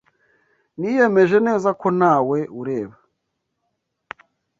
Niyemeje neza ko ntawe ureba.